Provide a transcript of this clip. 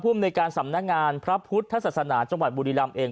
อำนวยการสำนักงานพระพุทธศาสนาจังหวัดบุรีรำเอง